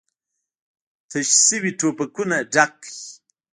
تش شوي ټوپکونه ډک کړئ!